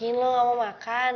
yakin lo gak mau makan